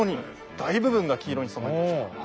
大部分が黄色に染まりましたはい。